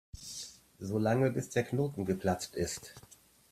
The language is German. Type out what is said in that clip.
So lange, bis der Knoten geplatzt ist.